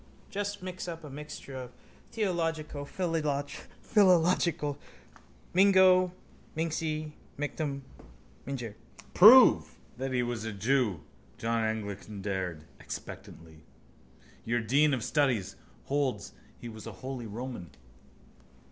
Just mix up a mixture of theolologicophilolological. Mingo, minxi, mictum, mingere. —Prove that he was a jew, John Eglinton dared, expectantly. Your dean of studies holds he was a holy Roman.